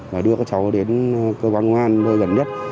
và đưa các cháu đến cơ quan ngoan gần nhất